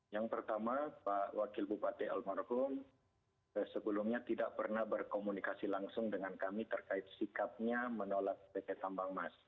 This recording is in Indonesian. yang pertama pak wakil bupati almarhum sebelumnya tidak pernah berkomunikasi langsung dengan kami terkait sikapnya menolak pt tambang mas